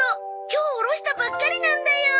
今日おろしたばっかりなんだよ。